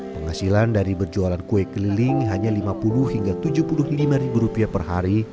penghasilan dari berjualan kue keliling hanya rp lima puluh rp tujuh puluh lima per hari